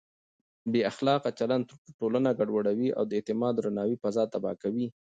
بې اخلاقه چلند ټولنه ګډوډوي او د اعتماد او درناوي فضا تباه کوي.